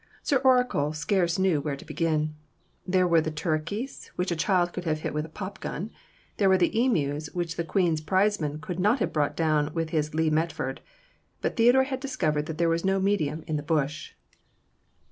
Sir Oracle scarce knew where to begin. There were the turkeys which a child could have hit with a pop gun; there were the emus which the Queen's Prizeman could not have brought down with his Lee Metford. But Theodore had discovered that there was no medium in the bush.